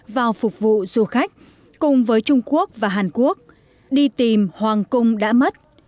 vào phục vụ du khách cùng với trung quốc và hàn quốc đi tìm hoàng cung đã mất